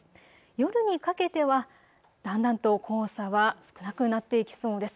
夜にかけてはだんだんと黄砂は少なくなっていきそうです。